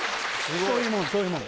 そういうもんそういうもん。